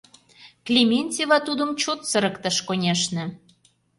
Клементьева тудым чот сырыктыш, конешне...